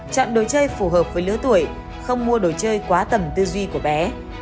chọn đồ chơi phù hợp với lứa tuổi không mua đồ chơi quá tầm tư duy của bé